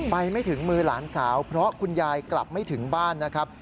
ไม่ถึงมือหลานสาวเพราะคุณยายกลับไม่ถึงบ้านนะครับ